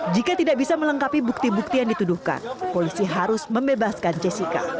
jika tidak bisa melengkapi bukti bukti yang dituduhkan polisi harus membebaskan jessica